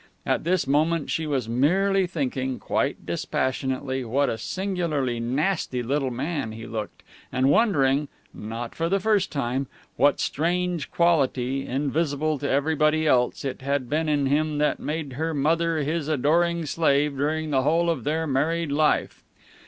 At this moment she was merely thinking, quite dispassionately, what a singularly nasty little man he looked, and wondering not for the first time what strange quality, invisible to everybody else, it had been in him that had made her mother his adoring slave during the whole of their married life.